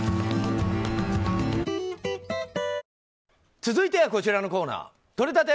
続いてはこちらのコーナーとれたて！